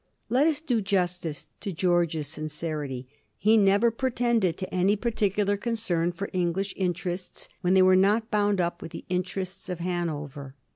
Let us do justice to George's sincerity : he never pre tended to any particular concern for English interests when they were not bound up with the interests of Hanover.